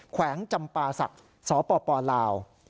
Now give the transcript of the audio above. แขวงจำปาศักดิ์สปลาว